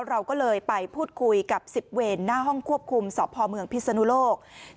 เราก็เลยไปพูดคุยกับสิบเวรหน้าห้องควบคุมสพพิษณุโลกฝั่งขัง